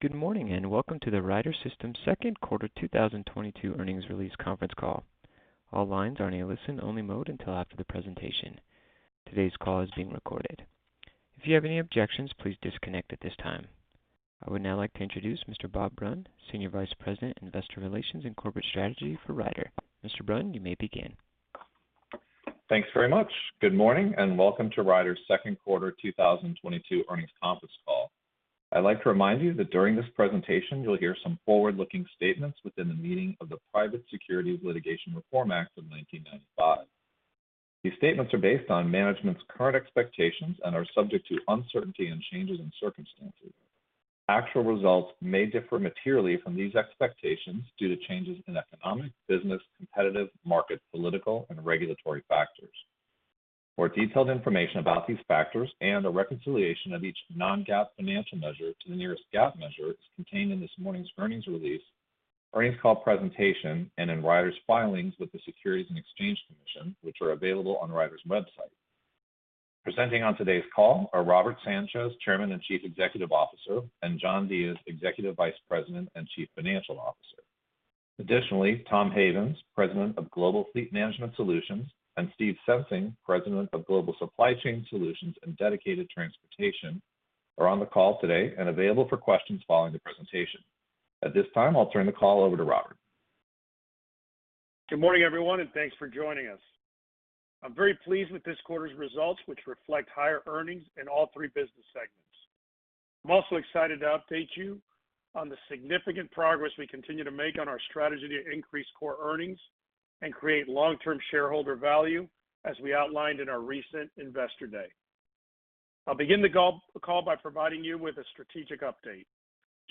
Good morning, and welcome to the Ryder System second quarter 2022 earnings release conference call. All lines are in a listen only mode until after the presentation. Today's call is being recorded. If you have any objections, please disconnect at this time. I would now like to introduce Mr. Bob Brunn, Senior Vice President, Investor Relations and Corporate Strategy for Ryder. Mr. Brunn, you may begin. Thanks very much. Good morning, and welcome to Ryder's second quarter 2022 earnings conference call. I'd like to remind you that during this presentation you'll hear some forward-looking statements within the meaning of the Private Securities Litigation Reform Act of 1995. These statements are based on management's current expectations and are subject to uncertainty and changes in circumstances. Actual results may differ materially from these expectations due to changes in economic, business, competitive, market, political, and regulatory factors. More detailed information about these factors and a reconciliation of each non-GAAP financial measure to the nearest GAAP measure is contained in this morning's earnings release, earnings call presentation, and in Ryder's filings with the Securities and Exchange Commission, which are available on Ryder's website. Presenting on today's call are Robert Sanchez, Chairman and Chief Executive Officer, and John Diez, Executive Vice President and Chief Financial Officer. Additionally Tom Havens President of Global Fleet Management Solutions, and Steve Sensing, President of Global Supply Chain Solutions and Dedicated Transportation, are on the call today and available for questions following the presentation. At this time, I'll turn the call over to Robert. Good morning, everyone, and thanks for joining us. I'm very pleased with this quarter's results, which reflect higher earnings in all three business segments. I'm also excited to update you on the significant progress we continue to make on our strategy to increase core earnings and create long-term shareholder value as we outlined in our recent Investor Day. I'll begin the call by providing you with a strategic update.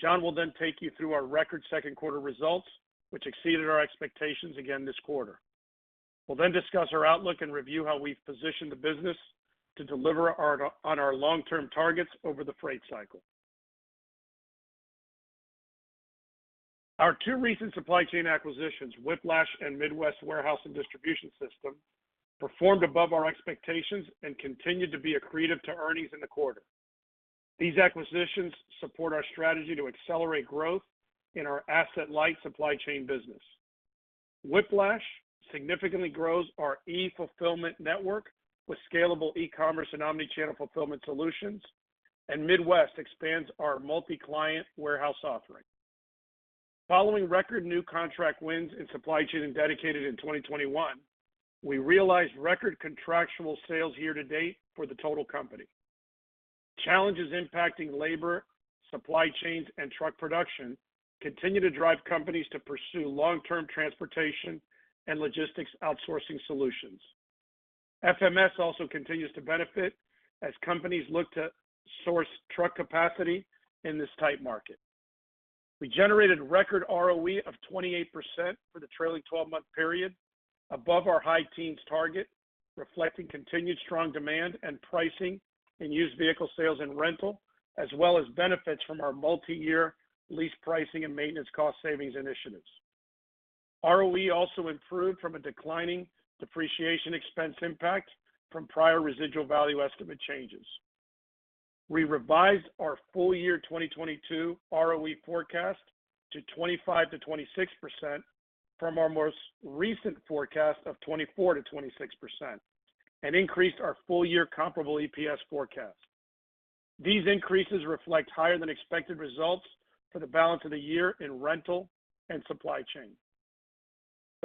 John will then take you through our record second quarter results, which exceeded our expectations again this quarter. We'll then discuss our outlook and review how we've positioned the business to deliver on our long-term targets over the freight cycle. Our two recent supply chain acquisitions, Whiplash and Midwest Warehouse & Distribution System, performed above our expectations and continued to be accretive to earnings in the quarter. These acquisitions support our strategy to accelerate growth in our asset-light supply chain business. Whiplash significantly grows our e-fulfillment network with scalable e-commerce and omnichannel fulfillment solutions, and Midwest expands our multi-client warehouse offering. Following record new contract wins in supply chain and dedicated in 2021, we realized record contractual sales year to date for the total company. Challenges impacting labor, supply chains, and truck production continue to drive companies to pursue long-term transportation and logistics outsourcing solutions. FMS also continues to benefit as companies look to source truck capacity in this tight market. We generated record ROE of 28% for the trailing twelve-month period, above our high teens target, reflecting continued strong demand and pricing in used vehicle sales and rental, as well as benefits from our multi-year lease pricing and maintenance cost savings initiatives. ROE also improved from a declining depreciation expense impact from prior residual value estimate changes. We revised our full-year 2022 ROE forecast to 25%-26% from our most recent forecast of 24%-26% and increased our full-year comparable EPS forecast. These increases reflect higher than expected results for the balance of the year in rental and supply chain.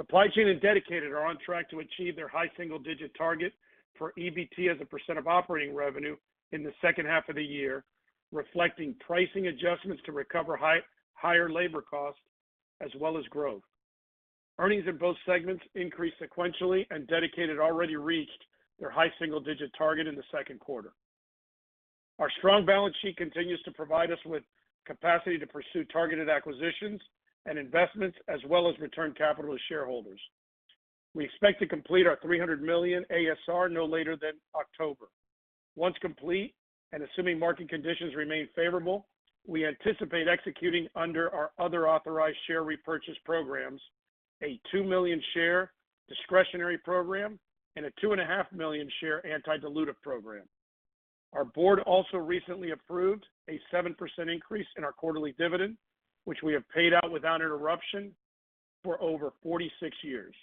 Supply chain and dedicated are on track to achieve their high single-digit target for EBT as a percent of operating revenue in the second half of the year, reflecting pricing adjustments to recover higher labor costs as well as growth. Earnings in both segments increased sequentially and dedicated already reached their high single-digit target in the second quarter. Our strong balance sheet continues to provide us with capacity to pursue targeted acquisitions and investments, as well as return capital to shareholders. We expect to complete our $300 million ASR no later than October. Once complete, and assuming market conditions remain favorable, we anticipate executing under our other authorized share repurchase programs a 2 million share discretionary program and a 2.5 million share anti-dilutive program. Our board also recently approved a 7% increase in our quarterly dividend, which we have paid out without interruption for over 46 years.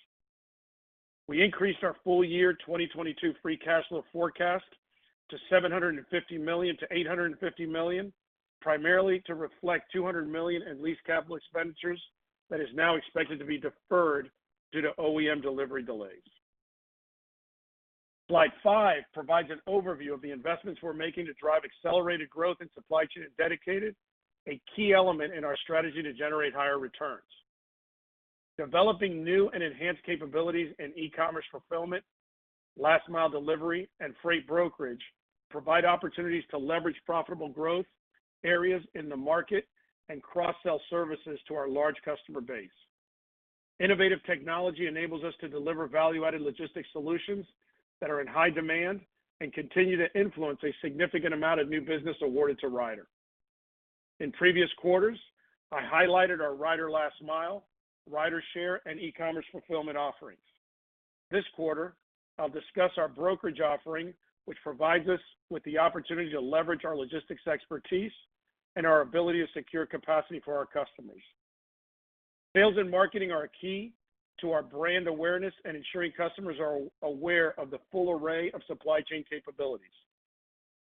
We increased our full year 2022 free cash flow forecast to $750 million-$850 million, primarily to reflect $200 million in lease capital expenditures that is now expected to be deferred due to OEM delivery delays. Slide five provides an overview of the investments we're making to drive accelerated growth in supply chain and dedicated, a key element in our strategy to generate higher returns. Developing new and enhanced capabilities in e-commerce fulfillment, last mile delivery, and freight brokerage provide opportunities to leverage profitable growth areas in the market and cross-sell services to our large customer base. Innovative technology enables us to deliver value-added logistics solutions that are in high demand and continue to influence a significant amount of new business awarded to Ryder. In previous quarters, I highlighted our Ryder Last Mile, RyderShare, and e-commerce fulfillment offerings. This quarter, I'll discuss our brokerage offering, which provides us with the opportunity to leverage our logistics expertise and our ability to secure capacity for our customers. Sales and marketing are key to our brand awareness and ensuring customers are aware of the full array of supply chain capabilities.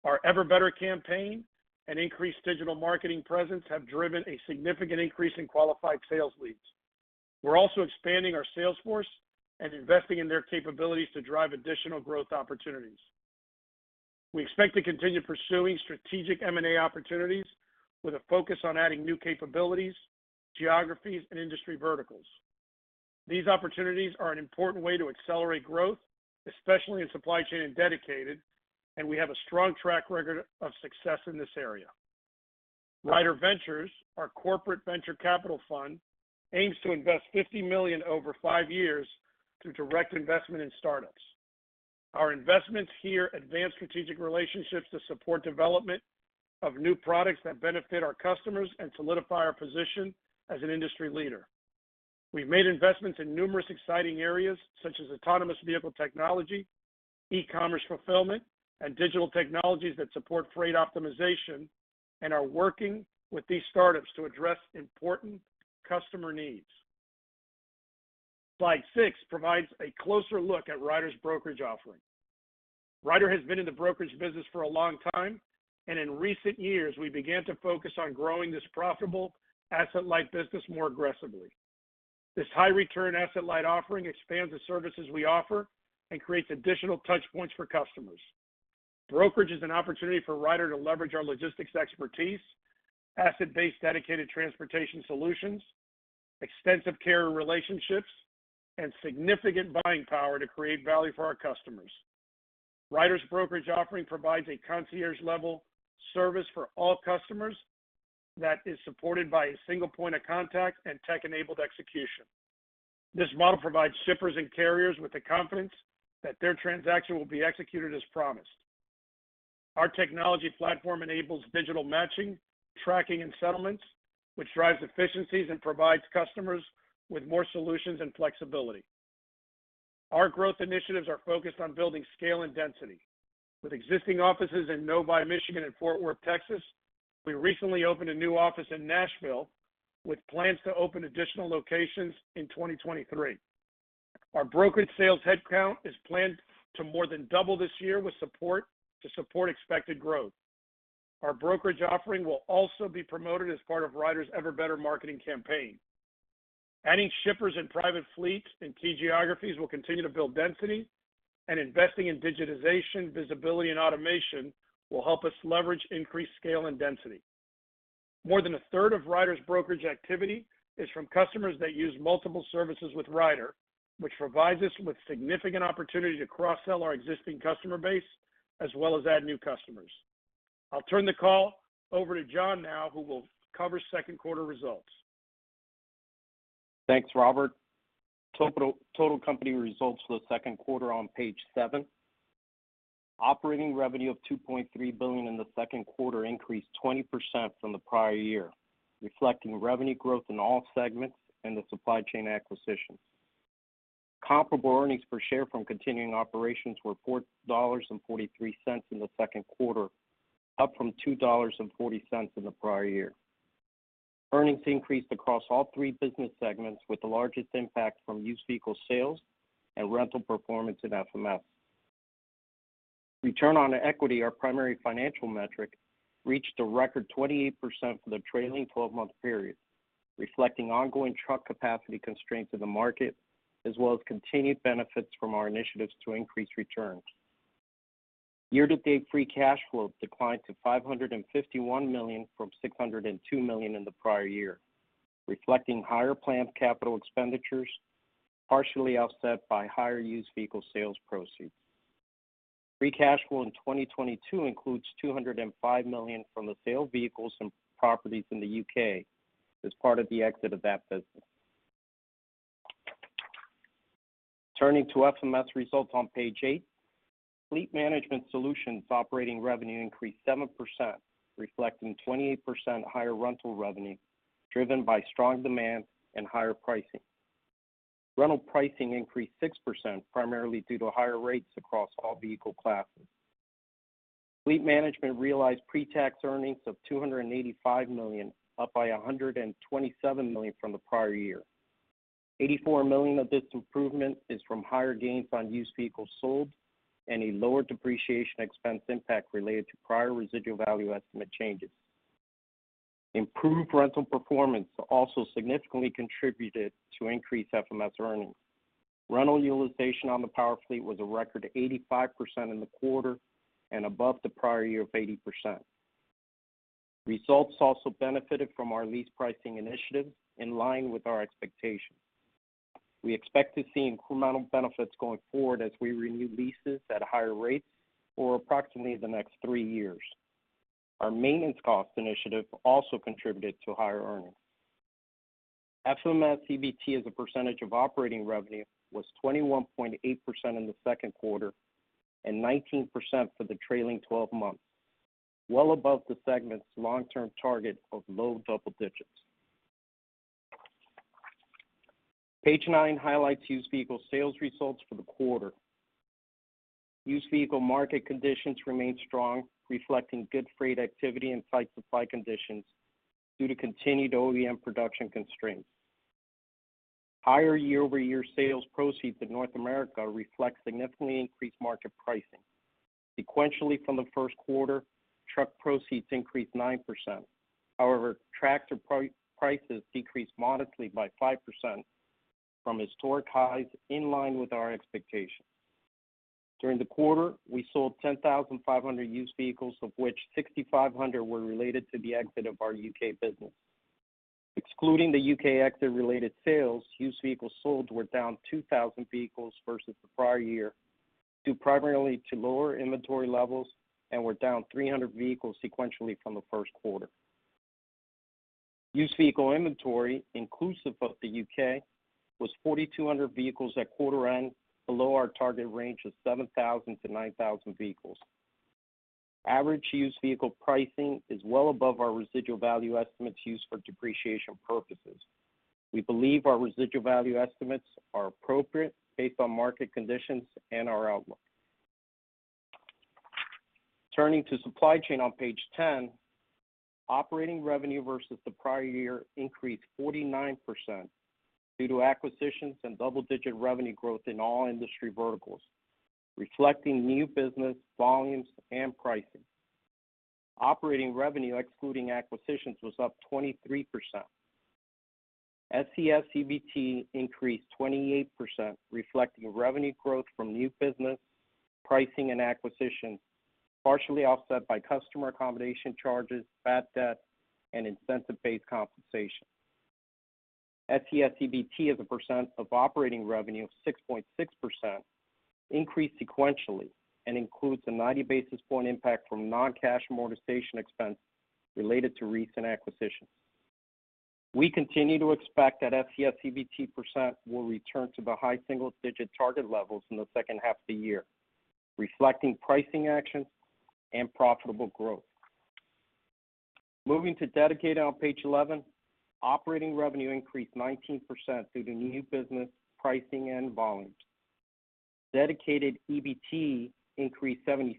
Our Ever Better campaign and increased digital marketing presence have driven a significant increase in qualified sales leads. We're also expanding our sales force and investing in their capabilities to drive additional growth opportunities. We expect to continue pursuing strategic M&A opportunities with a focus on adding new capabilities, geographies, and industry verticals. These opportunities are an important way to accelerate growth, especially in supply chain and dedicated, and we have a strong track record of success in this area. Ryder Ventures, our corporate venture capital fund, aims to invest $50 million over five years through direct investment in startups. Our investments here advance strategic relationships to support development of new products that benefit our customers and solidify our position as an industry leader. We've made investments in numerous exciting areas such as autonomous vehicle technology, e-commerce fulfillment, and digital technologies that support freight optimization, and are working with these startups to address important customer needs. Slide six provides a closer look at Ryder's brokerage offering. Ryder has been in the brokerage business for a long time, and in recent years, we began to focus on growing this profitable asset-light business more aggressively. This high return asset-light offering expands the services we offer and creates additional touch points for customers. Brokerage is an opportunity for Ryder to leverage our logistics expertise, asset-based dedicated transportation solutions, extensive carrier relationships, and significant buying power to create value for our customers. Ryder's brokerage offering provides a concierge level service for all customers that is supported by a single point of contact and tech-enabled execution. This model provides shippers and carriers with the confidence that their transaction will be executed as promised. Our technology platform enables digital matching, tracking, and settlements, which drives efficiencies and provides customers with more solutions and flexibility. Our growth initiatives are focused on building scale and density. With existing offices in Novi, Michigan and Fort Worth, Texas, we recently opened a new office in Nashville with plans to open additional locations in 2023. Our brokerage sales headcount is planned to more than double this year with support, to support expected growth. Our brokerage offering will also be promoted as part of Ryder's Ever Better marketing campaign. Adding shippers and private fleets in key geographies will continue to build density, and investing in digitization, visibility, and automation will help us leverage increased scale and density. More than a third of Ryder's brokerage activity is from customers that use multiple services with Ryder, which provides us with significant opportunity to cross-sell our existing customer base as well as add new customers. I'll turn the call over to John now, who will cover second quarter results. Thanks Robert. Total company results for the second quarter on page seven. Operating revenue of $2.3 billion in the second quarter increased 20% from the prior year, reflecting revenue growth in all segments and the supply chain acquisition. Comparable earnings per share from continuing operations were $4.43 in the second quarter, up from $2.40 in the prior year. Earnings increased across all three business segments with the largest impact from used vehicle sales and rental performance in FMS. Return on equity, our primary financial metric, reached a record 28% for the trailing 12-month period, reflecting ongoing truck capacity constraints in the market, as well as continued benefits from our initiatives to increase returns. Year-to-date free cash flow declined to $551 million from $602 million in the prior year, reflecting higher planned capital expenditures, partially offset by higher used vehicle sales proceeds. Free cash flow in 2022 includes $205 million from the sale of vehicles and properties in the U.K. as part of the exit of that business. Turning to FMS results on page 8. Fleet Management Solutions operating revenue increased 7%, reflecting 28% higher rental revenue, driven by strong demand and higher pricing. Rental pricing increased 6%, primarily due to higher rates across all vehicle classes. Fleet Management realized pre-tax earnings of $285 million, up by $127 million from the prior year. $84 million of this improvement is from higher gains on used vehicles sold and a lower depreciation expense impact related to prior residual value estimate changes. Improved rental performance also significantly contributed to increased FMS earnings. Rental utilization on the power fleet was a record 85% in the quarter and above the prior year of 80%. Results also benefited from our lease pricing initiative in line with our expectations. We expect to see incremental benefits going forward as we renew leases at higher rates for approximately the next three years. Our maintenance cost initiative also contributed to higher earnings. FMS EBT as a percentage of operating revenue was 21.8% in the second quarter and 19% for the trailing twelve months, well above the segment's long-term target of low double digits. Page nine highlights used vehicle sales results for the quarter. Used vehicle market conditions remain strong, reflecting good freight activity and tight supply conditions due to continued OEM production constraints. Higher year-over-year sales proceeds in North America reflect significantly increased market pricing. Sequentially from the first quarter, truck proceeds increased 9%. However, tractor prices decreased modestly by 5% from historic highs in line with our expectations. During the quarter, we sold 10,500 used vehicles, of which 6,500 were related to the exit of our UK business. Excluding the U.K. exit-related sales, used vehicles sold were down 2,000 vehicles versus the prior year, due primarily to lower inventory levels and were down 300 vehicles sequentially from the first quarter. Used vehicle inventory, inclusive of the U.K., was 4,200 vehicles at quarter end, below our target range of 7,000-9,000 vehicles. Average used vehicle pricing is well above our residual value estimates used for depreciation purposes. We believe our residual value estimates are appropriate based on market conditions and our outlook. Turning to supply chain on page 10, operating revenue versus the prior year increased 49% due to acquisitions and double-digit revenue growth in all industry verticals, reflecting new business, volumes, and pricing. Operating revenue excluding acquisitions was up 23%. SCS EBT increased 28%, reflecting revenue growth from new business, pricing and acquisition, partially offset by customer accommodation charges, bad debt, and incentive-based compensation. SCS EBT as a percent of operating revenue of 6.6% increased sequentially and includes a 90 basis point impact from non-cash amortization expense related to recent acquisitions. We continue to expect that SCS EBT percent will return to the high single-digit target levels in the second half of the year, reflecting pricing actions and profitable growth. Moving to Dedicated on page 11, operating revenue increased 19% due to new business, pricing, and volumes. Dedicated EBT increased 76%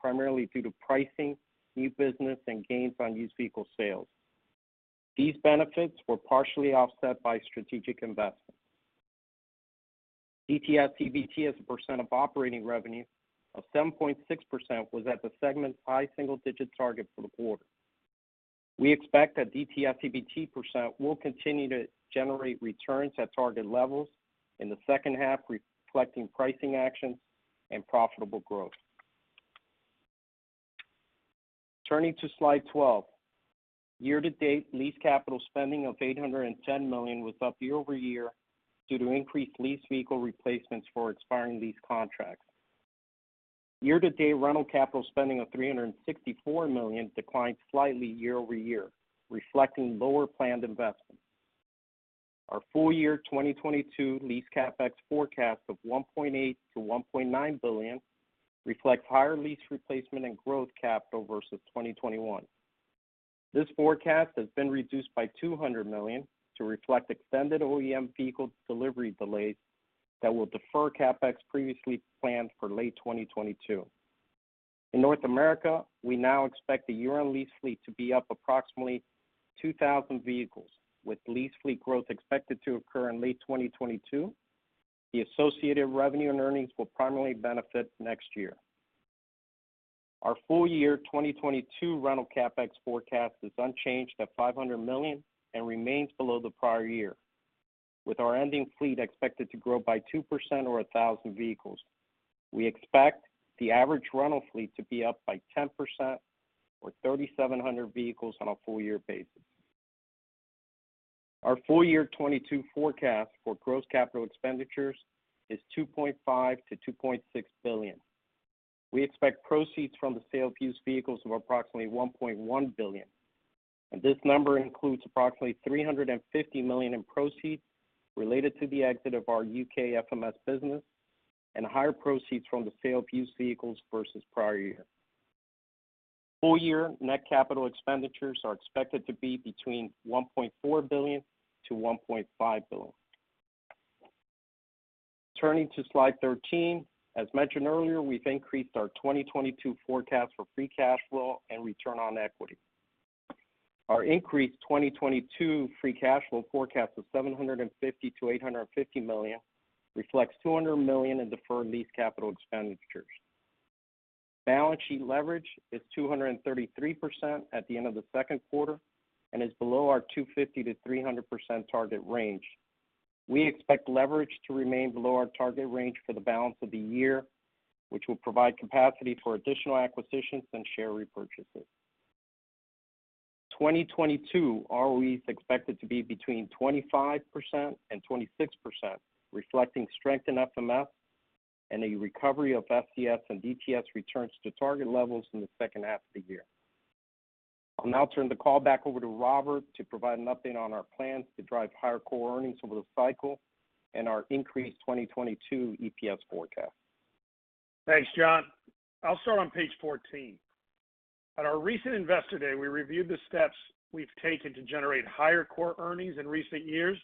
primarily due to pricing, new business, and gains on used vehicle sales. These benefits were partially offset by strategic investments. DTS EBT as a percent of operating revenue of 7.6% was at the segment's high single-digit target for the quarter. We expect that DTS EBT percent will continue to generate returns at target levels in the second half, reflecting pricing actions and profitable growth. Turning to slide 12. Year-to-date lease capital spending of $810 million was up year-over-year due to increased lease vehicle replacements for expiring lease contracts. Year-to-date rental capital spending of $364 million declined slightly year-over-year, reflecting lower planned investments. Our full year 2022 lease CapEx forecast of $1.8 billion-$1.9 billion reflects higher lease replacement and growth capital versus 2021. This forecast has been reduced by $200 million to reflect extended OEM vehicle delivery delays that will defer CapEx previously planned for late 2022. In North America, we now expect the year-end lease fleet to be up approximately 2,000 vehicles, with lease fleet growth expected to occur in late 2022. The associated revenue and earnings will primarily benefit next year. Our full year 2022 rental CapEx forecast is unchanged at $500 million and remains below the prior year. With our ending fleet expected to grow by 2% or 1,000 vehicles, we expect the average rental fleet to be up by 10% or 3,700 vehicles on a full year basis. Our full year 2022 forecast for gross capital expenditures is $2.5-$2.6 billion. We expect proceeds from the sale of used vehicles of approximately $1.1 billion, and this number includes approximately $350 million in proceeds related to the exit of our UK FMS business and higher proceeds from the sale of used vehicles versus prior year. Full year net capital expenditures are expected to be between $1.4 billion-$1.5 billion. Turning to slide 13. As mentioned earlier, we've increased our 2022 forecast for free cash flow and return on equity. Our increased 2022 free cash flow forecast of $750 million-$850 million reflects $200 million in deferred lease capital expenditures. Balance sheet leverage is 233% at the end of the second quarter and is below our 250%-300% target range. We expect leverage to remain below our target range for the balance of the year, which will provide capacity for additional acquisitions and share repurchases. 2022 ROE is expected to be between 25% and 26%, reflecting strength in FMS and a recovery of SCS and DTS returns to target levels in the second half of the year. I'll now turn the call back over to Robert to provide an update on our plans to drive higher core earnings over the cycle and our increased 2022 EPS forecast. Thanks John. I'll start on page 14. At our recent Investor Day, we reviewed the steps we've taken to generate higher core earnings in recent years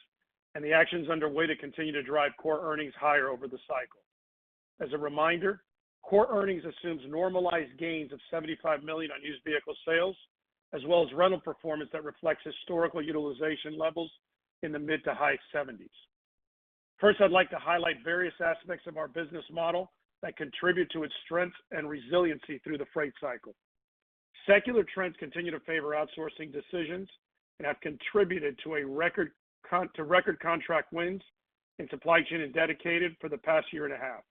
and the actions underway to continue to drive core earnings higher over the cycle. As a reminder, core earnings assumes normalized gains of $75 million on used vehicle sales, as well as rental performance that reflects historical utilization levels in the mid- to high 70s%. First, I'd like to highlight various aspects of our business model that contribute to its strength and resiliency through the freight cycle. Secular trends continue to favor outsourcing decisions and have contributed to a record contract wins in supply chain and dedicated for the past year and a half.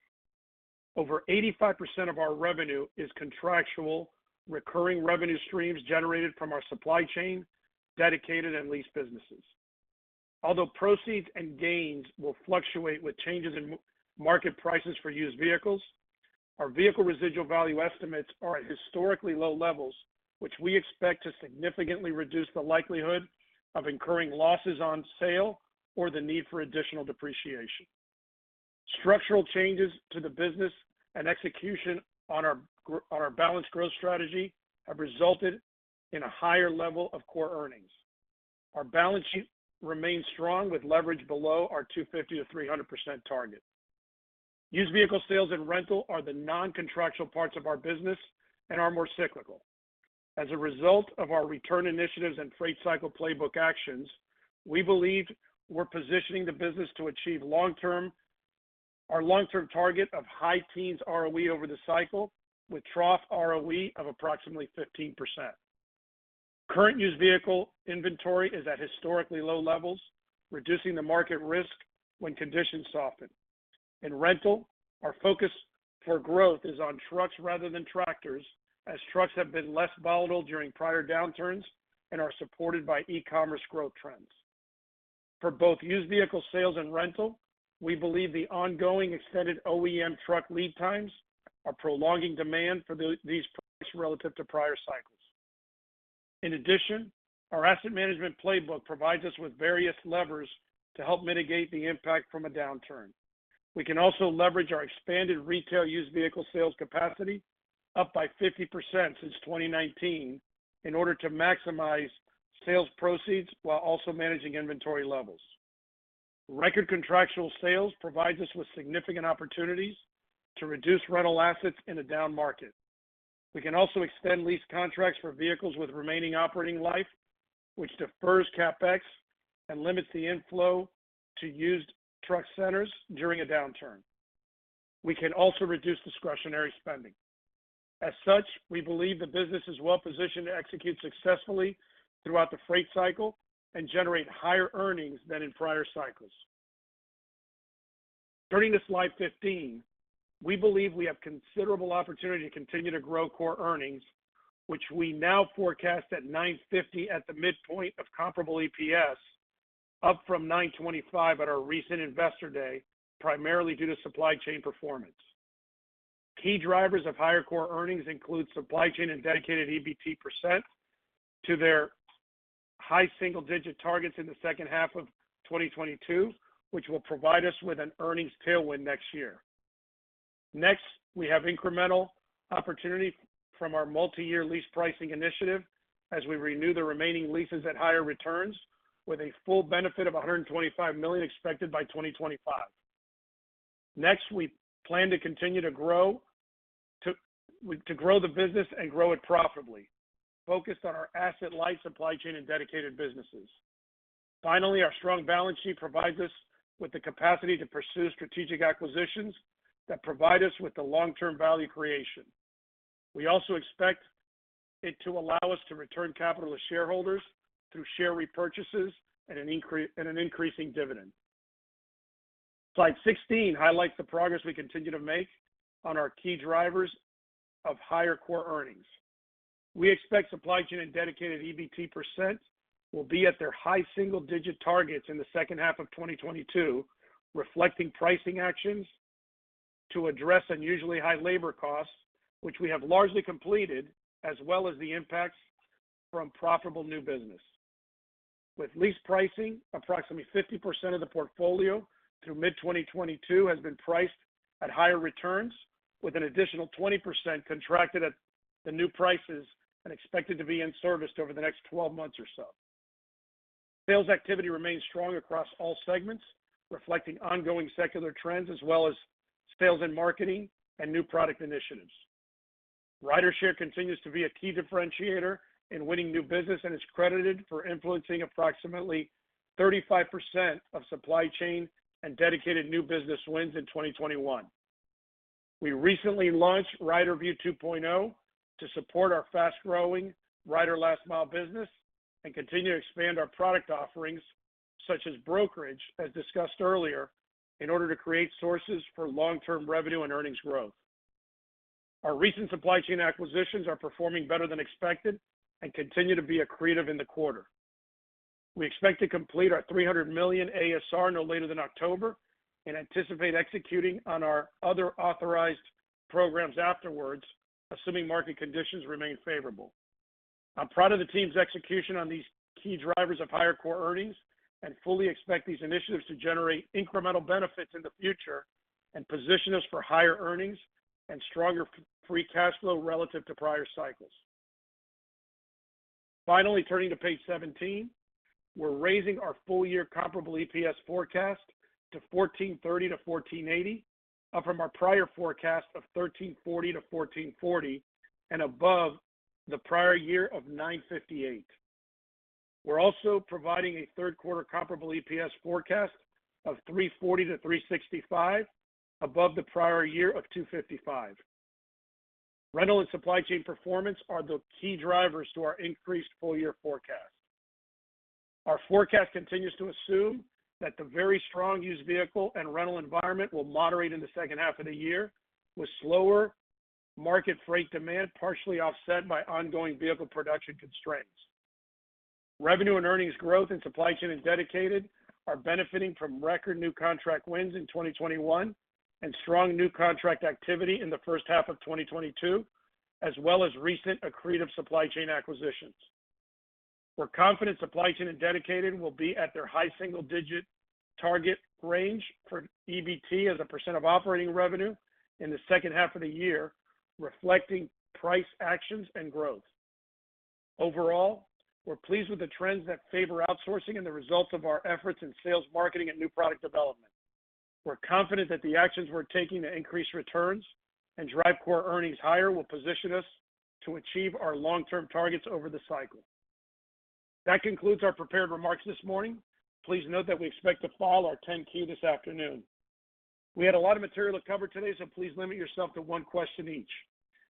Over 85% of our revenue is contractual, recurring revenue streams generated from our supply chain, dedicated and leased businesses. Although proceeds and gains will fluctuate with changes in market prices for used vehicles, our vehicle residual value estimates are at historically low levels, which we expect to significantly reduce the likelihood of incurring losses on sale or the need for additional depreciation. Structural changes to the business and execution on our balanced growth strategy have resulted in a higher level of core earnings. Our balance sheet remains strong with leverage below our 250%-300% target. Used vehicle sales and rental are the non-contractual parts of our business and are more cyclical. As a result of our return initiatives and freight cycle playbook actions, we believe we're positioning the business to achieve our long-term target of high teens ROE over the cycle with trough ROE of approximately 15%. Current used vehicle inventory is at historically low levels, reducing the market risk when conditions soften. In rental, our focus for growth is on trucks rather than tractors, as trucks have been less volatile during prior downturns and are supported by e-commerce growth trends. For both used vehicle sales and rental, we believe the ongoing extended OEM truck lead times are prolonging demand for these products relative to prior cycles. In addition, our asset management playbook provides us with various levers to help mitigate the impact from a downturn. We can also leverage our expanded retail used vehicle sales capacity, up by 50% since 2019, in order to maximize sales proceeds while also managing inventory levels. Record contractual sales provides us with significant opportunities to reduce rental assets in a down market. We can also extend lease contracts for vehicles with remaining operating life, which defers CapEx and limits the inflow to used truck centers during a downturn. We can also reduce discretionary spending. As such, we believe the business is well-positioned to execute successfully throughout the freight cycle and generate higher earnings than in prior cycles. Turning to slide 15, we believe we have considerable opportunity to continue to grow core earnings, which we now forecast at $9.50 at the midpoint of comparable EPS, up from $9.25 at our recent Investor Day, primarily due to Supply Chain performance. Key drivers of higher core earnings include Supply Chain and Dedicated EBT % to their high single-digit targets in the second half of 2022, which will provide us with an earnings tailwind next year. Next, we have incremental opportunity from our multi-year lease pricing initiative as we renew the remaining leases at higher returns with a full benefit of $125 million expected by 2025. Next, we plan to continue to grow the business and grow it profitably, focused on our asset-light supply chain and dedicated businesses. Finally, our strong balance sheet provides us with the capacity to pursue strategic acquisitions that provide us with the long-term value creation. We also expect it to allow us to return capital to shareholders through share repurchases and an increasing dividend. Slide 16 highlights the progress we continue to make on our key drivers of higher core earnings. We expect supply chain and dedicated EBT % will be at their high single-digit targets in the second half of 2022, reflecting pricing actions to address unusually high labor costs, which we have largely completed, as well as the impacts from profitable new business. With lease pricing, approximately 50% of the portfolio through mid-2022 has been priced at higher returns, with an additional 20% contracted at the new prices and expected to be in service over the next 12 months or so. Sales activity remains strong across all segments, reflecting ongoing secular trends as well as sales and marketing and new product initiatives. RyderShare continues to be a key differentiator in winning new business and is credited for influencing approximately 35% of supply chain and dedicated new business wins in 2021. We recently launched RyderView 2.0 to support our fast-growing Ryder Last Mile business and continue to expand our product offerings such as brokerage, as discussed earlier, in order to create sources for long-term revenue and earnings growth. Our recent Supply Chain acquisitions are performing better than expected and continue to be accretive in the quarter. We expect to complete our $300 million ASR no later than October and anticipate executing on our other authorized programs afterwards, assuming market conditions remain favorable. I'm proud of the team's execution on these key drivers of higher core earnings and fully expect these initiatives to generate incremental benefits in the future and position us for higher earnings and stronger free cash flow relative to prior cycles. Finally, turning to page 17, we're raising our full-year comparable EPS forecast to $14.30-$14.80, up from our prior forecast of $13.40-$14.40 and above the prior year of $9.58. We're also providing a third quarter comparable EPS forecast of $3.40-$3.65, above the prior year of $2.55. Rental and supply chain performance are the key drivers to our increased full-year forecast. Our forecast continues to assume that the very strong used vehicle and rental environment will moderate in the second half of the year with slower market freight demand, partially offset by ongoing vehicle production constraints. Revenue and earnings growth in supply chain and dedicated are benefiting from record new contract wins in 2021 and strong new contract activity in the first half of 2022, as well as recent accretive supply chain acquisitions. We're confident supply chain and dedicated will be at their high single digit target range for EBT as a % of operating revenue in the second half of the year, reflecting price actions and growth. Overall, we're pleased with the trends that favor outsourcing and the results of our efforts in sales, marketing, and new product development. We're confident that the actions we're taking to increase returns and drive core earnings higher will position us to achieve our long-term targets over the cycle. That concludes our prepared remarks this morning. Please note that we expect to file our 10-Q this afternoon. We had a lot of material to cover today, so please limit yourself to one question each.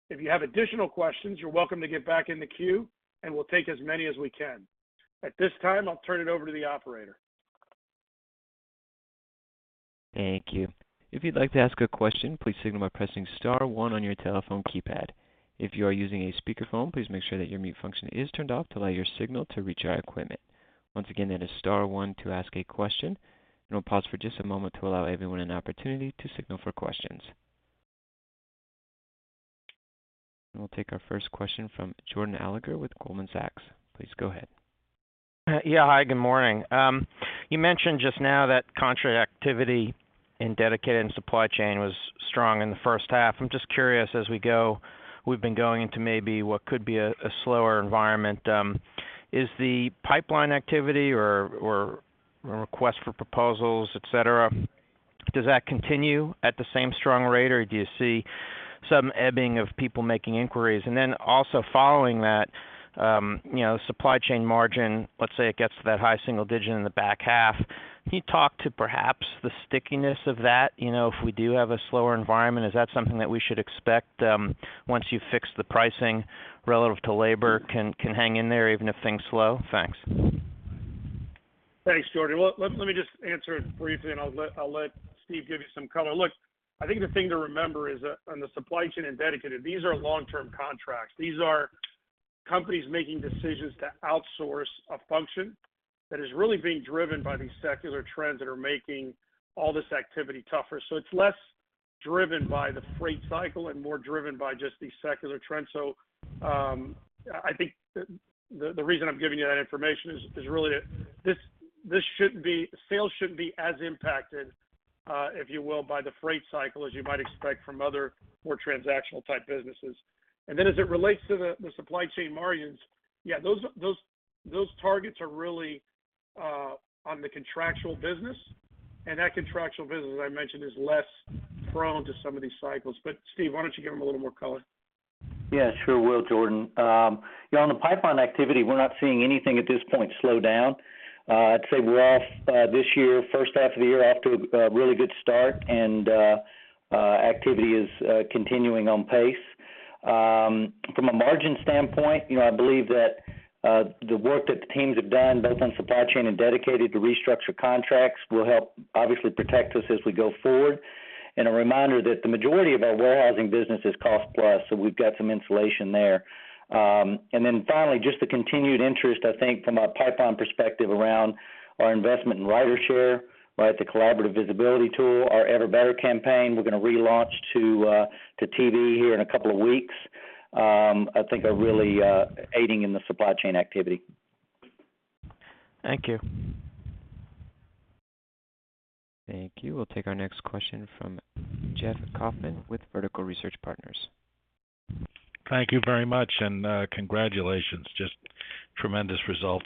If you have additional questions, you're welcome to get back in the queue and we'll take as many as we can. At this time, I'll turn it over to the operator. Thank you. If you'd like to ask a question, please signal by pressing star one on your telephone keypad. If you are using a speakerphone, please make sure that your mute function is turned off to allow your signal to reach our equipment. Once again, that is star one to ask a question, and we'll pause for just a moment to allow everyone an opportunity to signal for questions. We'll take our first question from Jordan Alliger with Goldman Sachs. Please go ahead. Yeah. Hi, good morning. You mentioned just now that contract activity in dedicated and supply chain was strong in the first half. I'm just curious, as we go, we've been going into maybe what could be a slower environment. Is the pipeline activity or request for proposals, et cetera, does that continue at the same strong rate, or do you see some ebbing of people making inquiries? Following that, you know, supply chain margin, let's say it gets to that high single digit in the back half. Can you talk to perhaps the stickiness of that? You know, if we do have a slower environment, is that something that we should expect, once you fix the pricing relative to labor can hang in there even if things slow? Thanks. Thanks Jordan. Well let me just answer it briefly, and I'll let Steve give you some color. Look, I think the thing to remember is that on the supply chain and dedicated, these are long-term contracts. These are companies making decisions to outsource a function that is really being driven by these secular trends that are making all this activity tougher. It's less driven by the freight cycle and more driven by just these secular trends. I think the reason I'm giving you that information is really this. Sales shouldn't be as impacted, if you will, by the freight cycle as you might expect from other more transactional type businesses. As it relates to the supply chain margins, yeah, those targets are really on the contractual business, and that contractual business, as I mentioned, is less prone to some of these cycles. Steve, why don't you give him a little more color? Yeah, sure will Jordan. You know on the pipeline activity, we're not seeing anything at this point slow down. I'd say we're off this year, first half of the year, off to a really good start, and activity is continuing on pace. From a margin standpoint, you know, I believe that the work that the teams have done both on supply chain and dedicated to restructure contracts will help obviously protect us as we go forward. A reminder that the majority of our warehousing business is cost plus, so we've got some insulation there. Finally, just the continued interest, I think, from a pipeline perspective around our investment in RyderShare, right, the collaborative visibility tool, our Ever Better campaign we're going to relaunch to TV here in a couple of weeks, I think are really aiding in the supply chain activity. Thank you. Thank you. We'll take our next question from Jeff Kauffman with Vertical Research Partners. Thank you very much, and congratulations. Just tremendous results.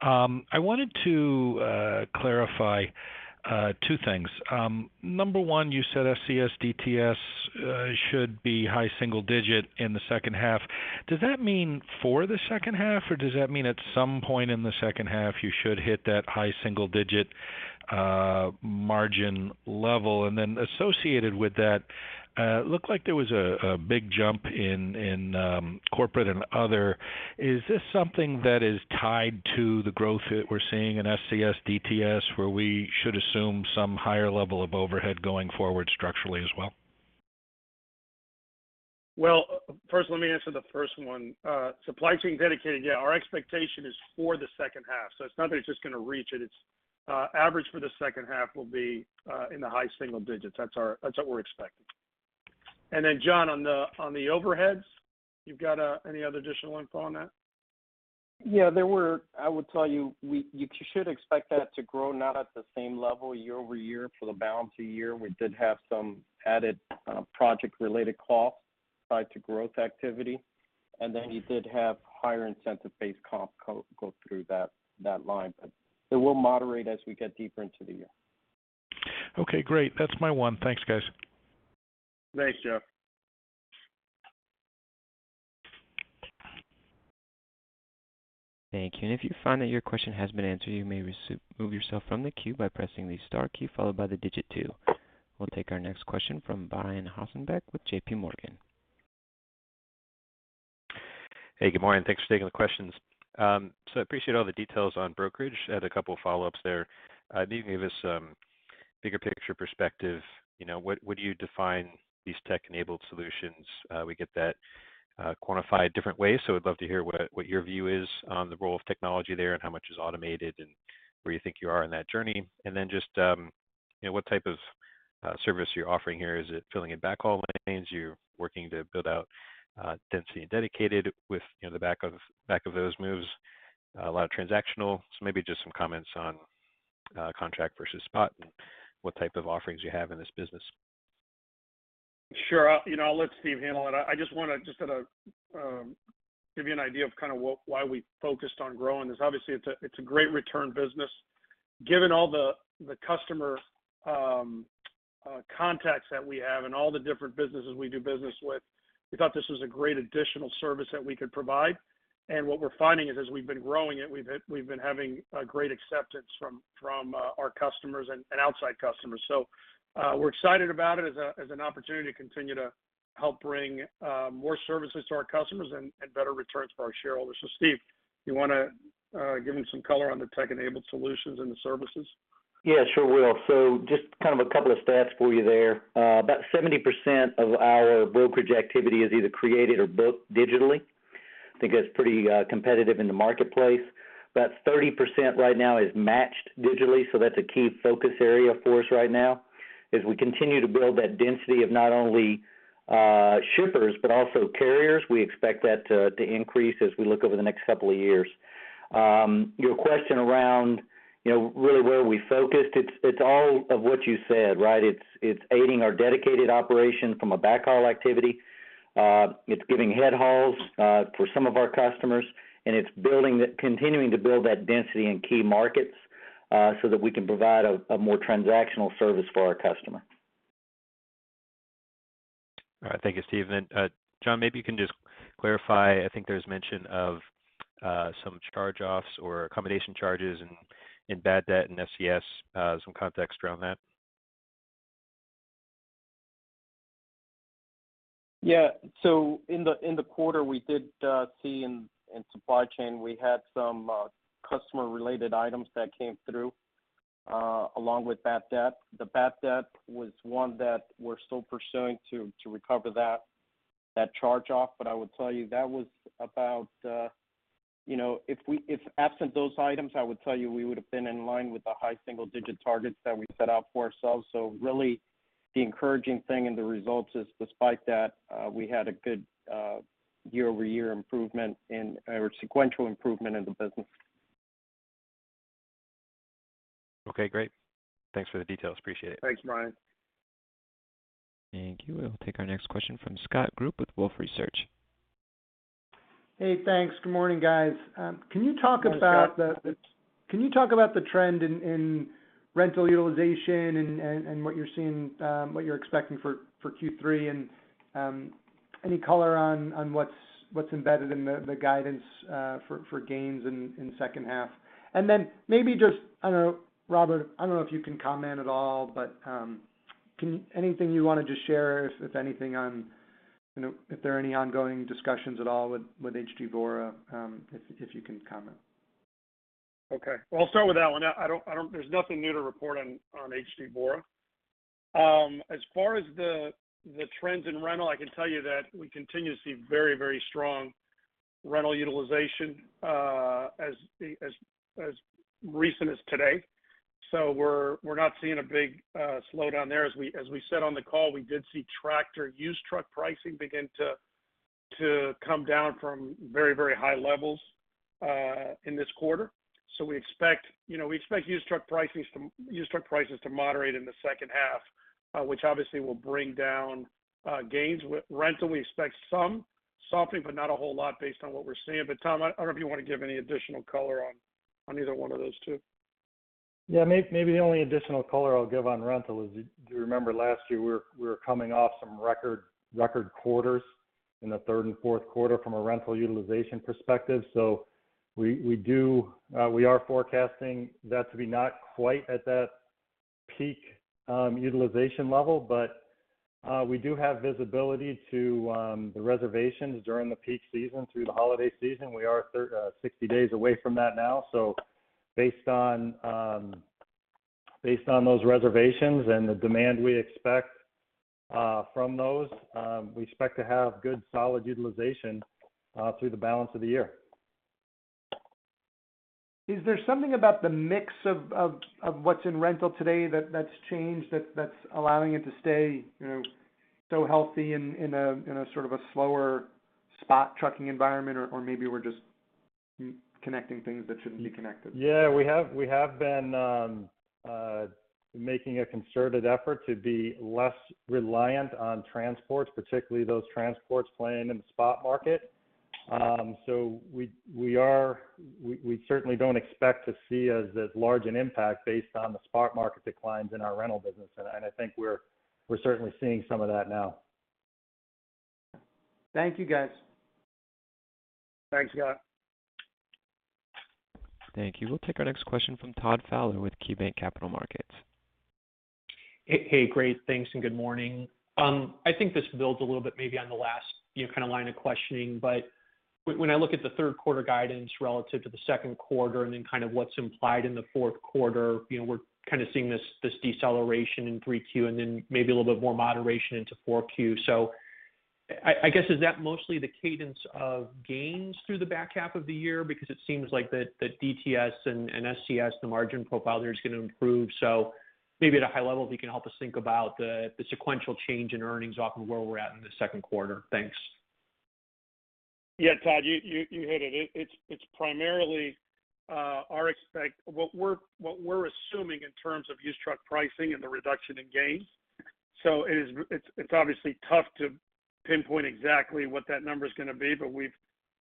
I wanted to clarify two things. Number one, you said SCS DTS should be high single digit in the second half. Does that mean for the second half, or does that mean at some point in the second half you should hit that high single digit margin level? Associated with that, it looked like there was a big jump in corporate and other. Is this something that is tied to the growth that we're seeing in SCS DTS, where we should assume some higher level of overhead going forward structurally as well? Well, first let me answer the first one. Supply chain dedicated, yeah, our expectation is for the second half. It's not that it's just going to reach it. It's average for the second half will be in the high single digits. That's what we're expecting. Then John, on the overheads, you've got any other additional info on that? Yeah. I would tell you we—you should expect that to grow not at the same level year-over-year for the balance of the year. We did have some added project-related costs tied to growth activity, and then you did have higher incentive-based costs go through that line. But it will moderate as we get deeper into the year. Okay, great. That's my one. Thanks, guys. Thanks Jeff. Thank you. If you find that your question has been answered, you may remove yourself from the queue by pressing the star key followed by the digit two. We'll take our next question from Brian Ossenbeck with JPMorgan. Hey, good morning. Thanks for taking the questions. Appreciate all the details on brokerage. I had a couple follow-ups there. Maybe give us some bigger picture perspective. You know, what do you define these tech-enabled solutions? We get that quantified different ways, so we'd love to hear what your view is on the role of technology there and how much is automated and where you think you are in that journey. Just you know, what type of service you're offering here. Is it filling in backhaul lanes? You're working to build out density and dedicated with, you know, the back of those moves, a lot of transactional. Maybe just some comments on contract versus spot and what type of offerings you have in this business. Sure. You know, I'll let Steve handle it. I just wanna kinda give you an idea of kinda why we focused on growing this. Obviously, it's a great return business. Given all the customer contacts that we have and all the different businesses we do business with, we thought this was a great additional service that we could provide. What we're finding is, as we've been growing it, we've been having a great acceptance from our customers and outside customers. We're excited about it as an opportunity to continue to help bring more services to our customers and better returns for our shareholders. Steve, you wanna give them some color on the tech-enabled solutions and the services? Yeah, sure will. Just kind of a couple of stats for you there. About 70% of our brokerage activity is either created or booked digitally. I think that's pretty competitive in the marketplace. About 30% right now is matched digitally, so that's a key focus area for us right now. As we continue to build that density of not only shippers but also carriers, we expect that to increase as we look over the next couple of years. Your question around you know really where we focused, it's all of what you said, right? It's aiding our dedicated operation from a backhaul activity. It's giving head hauls for some of our customers, and it's continuing to build that density in key markets, so that we can provide a more transactional service for our customer. All right. Thank you Steve. John, maybe you can just clarify. I think there's mention of some charge-offs or accommodation charges in bad debt and SCS, some context around that. Yeah. In the quarter, we did see in Supply Chain, we had some customer-related items that came through along with bad debt. The bad debt was one that we're still pursuing to recover that charge-off. I would tell you that was about. You know, if absent those items, I would tell you we would have been in line with the high single-digit targets that we set out for ourselves. Really, the encouraging thing in the results is despite that, we had a good year-over-year improvement or sequential improvement in the business. Okay, great. Thanks for the details. Appreciate it. Thanks, Brian. Thank you. We'll take our next question from Scott Group with Wolfe Research. Hey, thanks. Good morning, guys. Can you talk about the- Good morning Scott. Can you talk about the trend in rental utilization and what you're seeing, what you're expecting for Q3, and any color on what's embedded in the guidance for gains in second half? Then maybe just, I don't know, Robert, I don't know if you can comment at all, but anything you wanted to share, if anything, on you know if there are any ongoing discussions at all with HG Vora, if you can comment. Well, I'll start with that one. I don't—there's nothing new to report on HG Vora. As far as the trends in rental, I can tell you that we continue to see very, very strong rental utilization as recent as today. We're not seeing a big slowdown there. As we said on the call, we did see tractor used truck pricing begin to come down from very, very high levels in this quarter. We expect used truck prices to moderate in the second half, which obviously will bring down gains. With rental, we expect some softening, but not a whole lot based on what we're seeing. Tom, I don't know if you want to give any additional color on either one of those two. Yeah. Maybe the only additional color I'll give on rental is you remember last year we were coming off some record quarters in the third and fourth quarter from a rental utilization perspective. We are forecasting that to be not quite at that peak utilization level, but we do have visibility to the reservations during the peak season through the holiday season. We are 60 days away from that now. Based on those reservations and the demand we expect from those, we expect to have good, solid utilization through the balance of the year. Is there something about the mix of what's in rental today that's changed that's allowing it to stay, you know, so healthy in a sort of a slower spot trucking environment? Or maybe we're just connecting things that shouldn't be connected. Yeah. We have been making a concerted effort to be less reliant on transports, particularly those transports playing in the spot market. We certainly don't expect to see as large an impact based on the spot market declines in our rental business. I think we're certainly seeing some of that now. Thank you, guys. Thanks, guys. Thank you. We'll take our next question from Todd Fowler with KeyBanc Capital Markets. Hey. Hey, great. Thanks, and good morning. I think this builds a little bit maybe on the last, you know, kind of line of questioning, but when I look at the third quarter guidance relative to the second quarter and then kind of what's implied in the fourth quarter, you know, we're kind of seeing this deceleration in 3Q and then maybe a little bit more moderation into 4Q. I guess, is that mostly the cadence of gains through the back half of the year? Because it seems like the DTS and SCS, the margin profile there is going to improve. So maybe at a high level, if you can help us think about the sequential change in earnings off of where we're at in the second quarter? Thanks. Yeah, Todd, you hit it. It's primarily what we're assuming in terms of used truck pricing and the reduction in gains. It's obviously tough to pinpoint exactly what that number's gonna be, but we've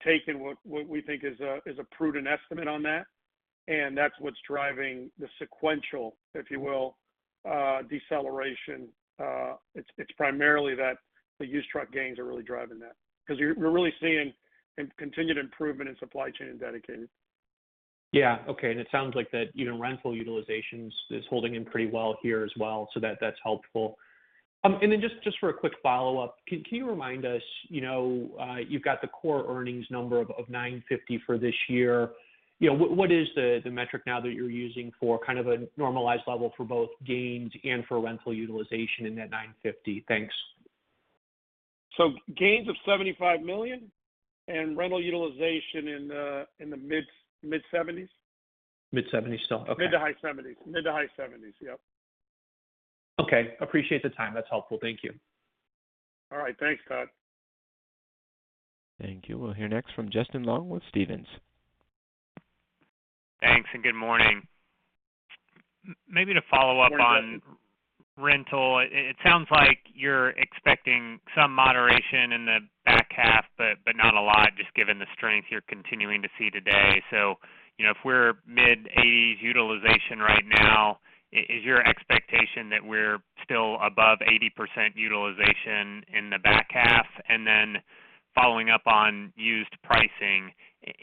taken what we think is a prudent estimate on that, and that's what's driving the sequential, if you will, deceleration. It's primarily that the used truck gains are really driving that because we're really seeing continued improvement in supply chain and dedicated. Yeah. Okay. It sounds like that even rental utilization is holding in pretty well here as well, so that's helpful. Then just for a quick follow-up, can you remind us, you know, you've got the core earnings number of $9.50 for this year. You know, what is the metric now that you're using for kind of a normalized level for both gains and for rental utilization in that $9.50? Thanks. Gains of $75 million and rental utilization in the mid-70s%. Mid-70s still? Okay. Mid- to high 70s%. Yep. Okay. Appreciate the time. That's helpful. Thank you. All right. Thanks, Todd. Thank you. We'll hear next from Justin Long with Stephens. Thanks good morning. Maybe to follow up on rental, it sounds like you're expecting some moderation in the back half, but not a lot, just given the strength you're continuing to see today. You know, if we're mid-80s utilization right now, is your expectation that we're still above 80% utilization in the back half? Then following up on used pricing,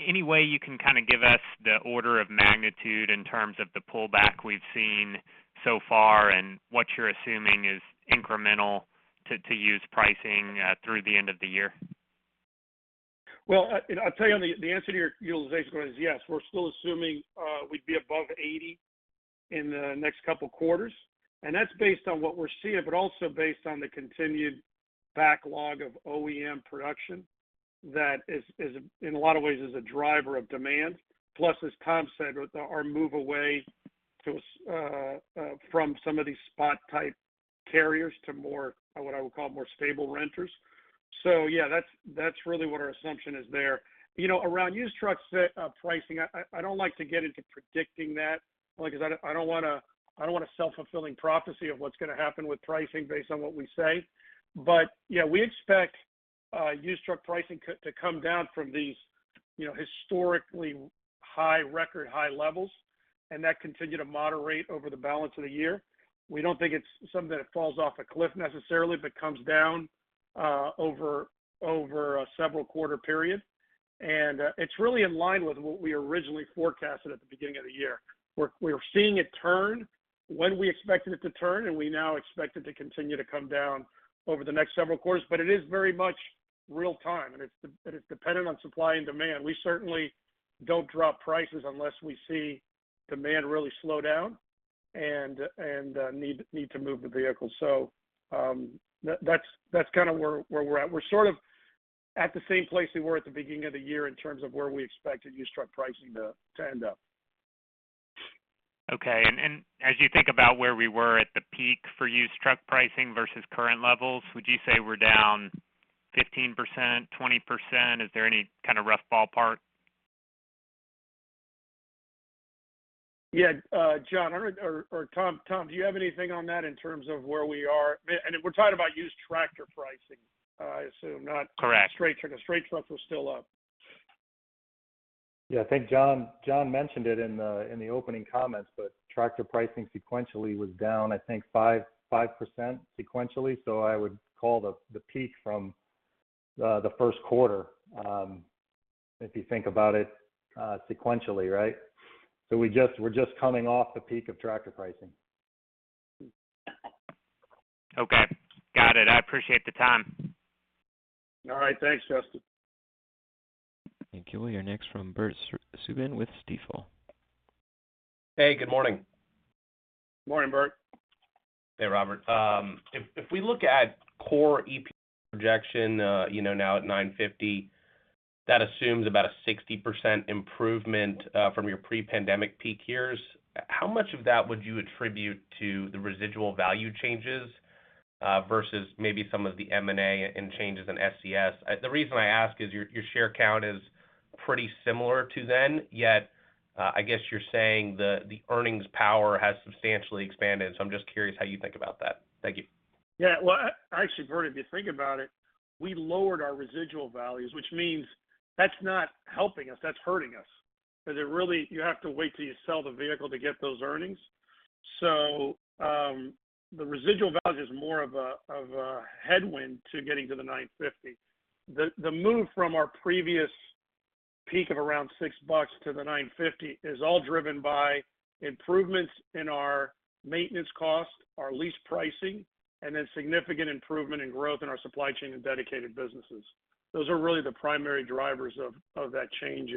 any way you can kind of give us the order of magnitude in terms of the pullback we've seen so far and what you're assuming is incremental to use pricing through the end of the year? Well you know, I'll tell you on the answer to your utilization is yes, we're still assuming we'd be above 80 in the next couple quarters, and that's based on what we're seeing, but also based on the continued backlog of OEM production that is in a lot of ways a driver of demand. Plus, as Tom said, our move away from some of these spot type carriers to more what I would call stable renters. Yeah, that's really what our assumption is there. You know, around used trucks pricing, I don't like to get into predicting that because I don't want a self-fulfilling prophecy of what's gonna happen with pricing based on what we say. Yeah, we expect used truck pricing to come down from these, you know, historically high record high levels and that continue to moderate over the balance of the year. We don't think it's something that falls off a cliff necessarily, but comes down over a several quarter period. It's really in line with what we originally forecasted at the beginning of the year, where we're seeing it turn when we expected it to turn, and we now expect it to continue to come down over the next several quarters. It is very much real time, and it's dependent on supply and demand. We certainly don't drop prices unless we see demand really slow down and need to move the vehicles. That's kind of where we're at. We're sort of at the same place we were at the beginning of the year in terms of where we expected used truck pricing to end up. Okay. As you think about where we were at the peak for used truck pricing versus current levels, would you say we're down 15%-20%? Is there any kind of rough ballpark? Yeah. John or Tom, do you have anything on that in terms of where we are? We're talking about used tractor pricing, I assume not. Correct. Straight trucks. Straight trucks are still up. Yeah. I think John mentioned it in the opening comments, but tractor pricing sequentially was down, I think 5% sequentially. I would call the peak from the first quarter, if you think about it, sequentially, right? We're just coming off the peak of tractor pricing. Okay. Got it. I appreciate the time. All right. Thanks, Justin. Thank you. We'll hear next from Bert Subin with Stifel. Hey, good morning. Morning, Bert. Hey, Robert. If we look at core EPS projection, you know, now at $9.50, that assumes about a 60% improvement from your pre-pandemic peak years. How much of that would you attribute to the residual value changes versus maybe some of the M&A and changes in SCS? The reason I ask is your share count is pretty similar to then, yet I guess you're saying the earnings power has substantially expanded. I'm just curious how you think about that. Thank you. Yeah. Well actually Bert if you think about it, we lowered our residual values, which means that's not helping us, that's hurting us. Because it really you have to wait till you sell the vehicle to get those earnings. So, the residual value is more of a headwind to getting to the $9.50. The move from our previous peak of around $6 to the $9.50 is all driven by improvements in our maintenance costs, our lease pricing, and then significant improvement in growth in our supply chain and dedicated businesses. Those are really the primary drivers of that change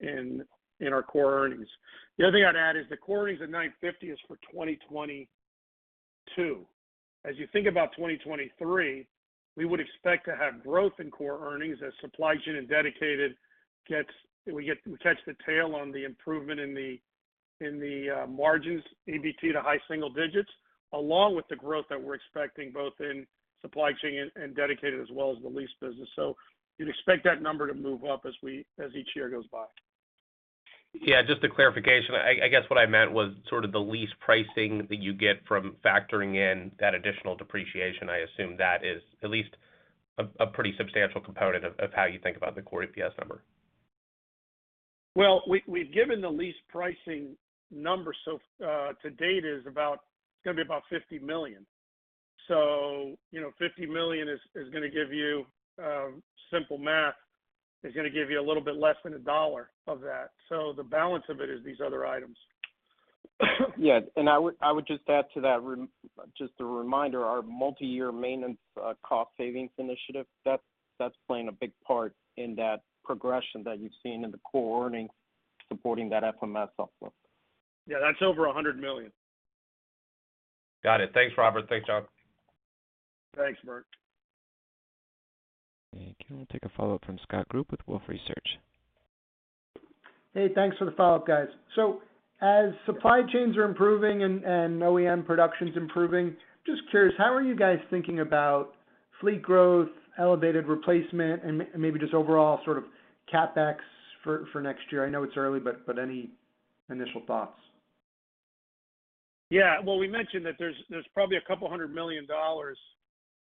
in our core earnings. The other thing I'd add is the core earnings at $9.50 is for 2022. As you think about 2023, we would expect to have growth in core earnings as supply chain and dedicated, we catch the tail on the improvement in the margins, EBT to high single digits, along with the growth that we're expecting both in supply chain and dedicated as well as the lease business. You'd expect that number to move up as each year goes by. Yeah, just a clarification. I guess what I meant was sort of the lease pricing that you get from factoring in that additional depreciation. I assume that is at least a pretty substantial component of how you think about the core EPS number. Well, we've given the lease pricing numbers so to date, it's gonna be about $50 million. You know, $50 million is gonna give you simple math. It's gonna give you a little bit less than $1 of that. The balance of it is these other items. Yeah. I would just add to that, just a reminder, our multi-year maintenance cost savings initiative, that's playing a big part in that progression that you've seen in the core earnings supporting that FMS outflow. Yeah, that's over $100 million. Got it ThanksRobert. Thanks John. Thanks Bert. Okay we'll take a follow-up from Scott Group with Wolfe Research. Hey thanks for the follow-up, guys. As supply chains are improving and OEM production's improving, just curious, how are you guys thinking about fleet growth, elevated replacement, and maybe just overall sort of CapEx for next year? I know it's early, but any initial thoughts? Yeah. Well we mentioned that there's probably a couple hundred million dollars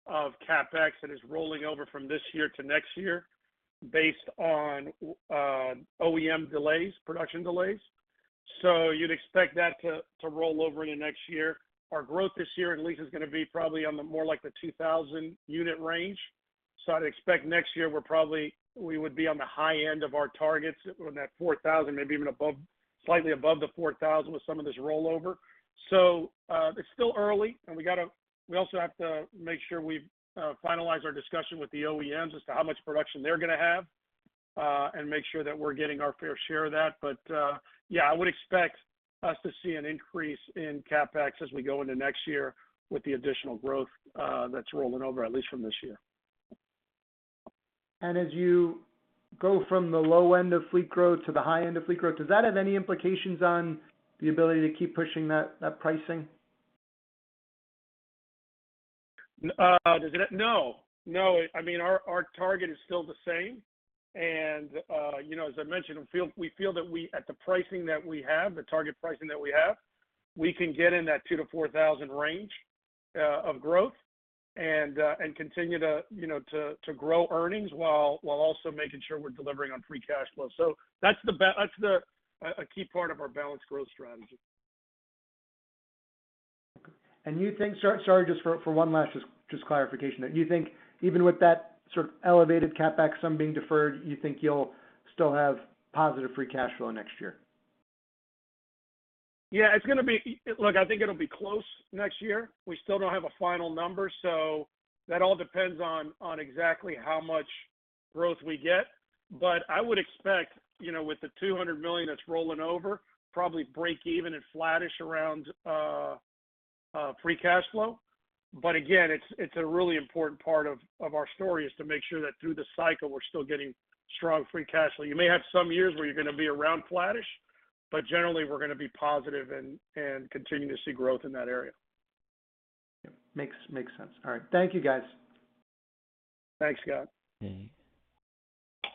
of CapEx that is rolling over from this year to next year based on OEM delays, production delays. You'd expect that to roll over into next year. Our growth this year at least is gonna be probably on the more like the 2,000-unit range. I'd expect next year we would be on the high end of our targets on that 4,000, maybe even above, slightly above the 4,000 with some of this rollover. It's still early, and we also have to make sure we've finalized our discussion with the OEMs as to how much production they're gonna have, and make sure that we're getting our fair share of that. Yeah, I would expect us to see an increase in CapEx as we go into next year with the additional growth that's rolling over at least from this year. As you go from the low end of fleet growth to the high end of fleet growth, does that have any implications on the ability to keep pushing that pricing? I mean our target is still the same. You know, as I mentioned, we feel that we at the pricing that we have, the target pricing that we have, we can get in that 2,000-4,000 range of growth and continue to grow earnings while also making sure we're delivering on free cash flow. That's a key part of our balanced growth strategy. Sorry just for one last clarification. You think even with that sort of elevated CapEx sum being deferred, you think you'll still have positive free cash flow next year? Yeah. It's gonna be. Look I think it'll be close next year. We still don't have a final number, so that all depends on exactly how much growth we get. I would expect, you know, with the $200 million that's rolling over, probably break even and flattish around free cash flow. Again, it's a really important part of our story is to make sure that through the cycle, we're still getting strong free cash flow. You may have some years where you're gonna be around flattish, but generally, we're gonna be positive and continue to see growth in that area. Makes sense. All right. Thank you, guys. Thanks Scott. Okay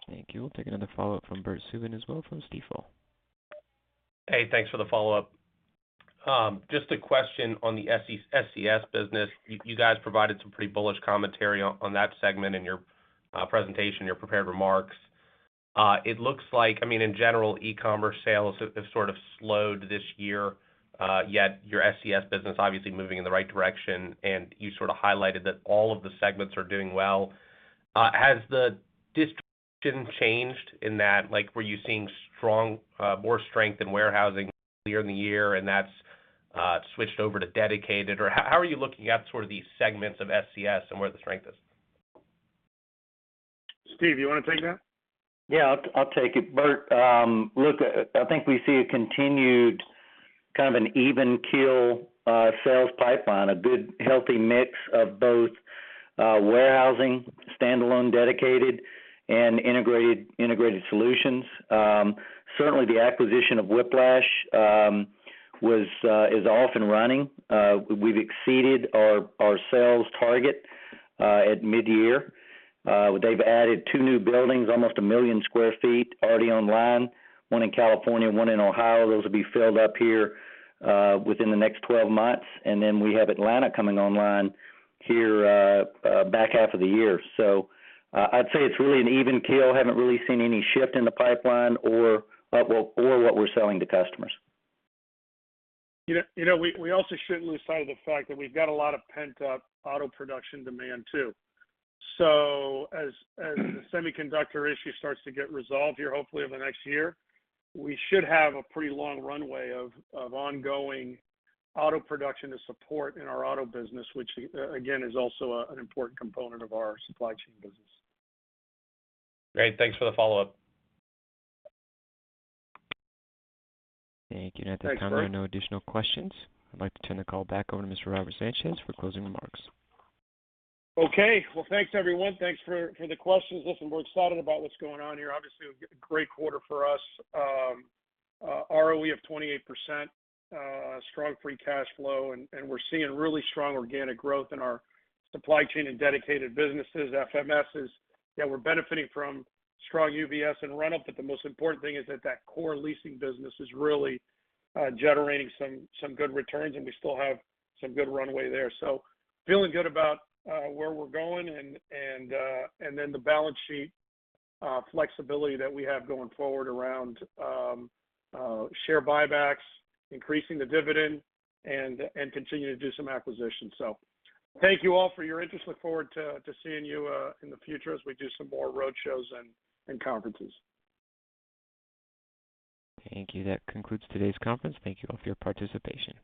Thank you. We'll take another follow-up from Bert Subin as well from Stifel. Hey thanks for the follow-up. Just a question on the SCS business. You guys provided some pretty bullish commentary on that segment in your presentation, your prepared remarks. It looks like, I mean, in general, e-commerce sales have sort of slowed this year, yet your SCS business obviously moving in the right direction, and you sort of highlighted that all of the segments are doing well. Has the distribution changed in that? Like, were you seeing strong, more strength in warehousing earlier in the year and that's switched over to dedicated? Or how are you looking at sort of these segments of SCS and where the strength is? Steve you wanna take that? Yeah I'll take it Bert look, I think we see a continued kind of an even keel sales pipeline, a good healthy mix of both warehousing, standalone dedicated and integrated solutions. Certainly the acquisition of Whiplash is off and running. We've exceeded our sales target at mid-year. They've added two new buildings, almost 1 million sq ft already online, one in California, one in Ohio. Those will be filled up here within the next 12 months. Then we have Atlanta coming online here back half of the year. I'd say it's really an even keel. Haven't really seen any shift in the pipeline or what we're selling to customers. You know we also shouldn't lose sight of the fact that we've got a lot of pent-up auto production demand too. As the semiconductor issue starts to get resolved here, hopefully over the next year, we should have a pretty long runway of ongoing auto production to support in our auto business, which again is also an important component of our supply chain business. Great Thanks for the follow-up. Thank you. Thanks. At the time there are no additional questions. I'd like to turn the call back over to Mr. Robert Sanchez for closing remarks. Okay. Well thanks everyone. Thanks for the questions. Listen, we're excited about what's going on here. Obviously, a great quarter for us. ROE of 28%, strong free cash flow and we're seeing really strong organic growth in our supply chain and dedicated businesses. FMS. Yeah, we're benefiting from strong UVS and rental up, but the most important thing is that that core leasing business is really generating some good returns, and we still have some good runway there. Feeling good about where we're going and then the balance sheet flexibility that we have going forward around share buybacks, increasing the dividend and continuing to do some acquisitions. Thank you all for your interest. Look forward to seeing you in the future as we do some more roadshows and conferences. Thank you. That concludes today's conference. Thank you all for your participation.